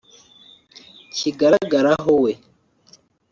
kigaragaraho we